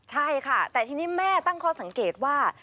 ใช่ค่ะแต่ทีนี้แม่ตั้งข้อสังเกตว่า